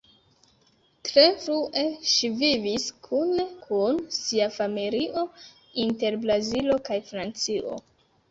Tre frue, ŝi vivis kune kun sia familio inter Brazilo kaj Francio.